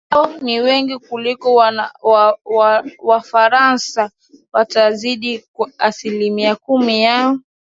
ao ni wengi kuliko wafaransa hawatazidi aslimia kumi yao